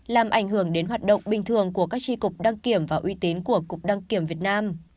làm ảnh hưởng đến hoạt động bình thường của các tri cục đăng kiểm và uy tín của cục đăng kiểm việt nam